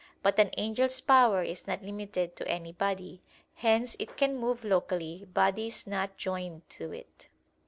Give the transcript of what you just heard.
But an angel's power is not limited to any body; hence it can move locally bodies not joined to it.